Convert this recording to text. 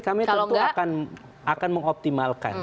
kami tentu akan mengoptimalkan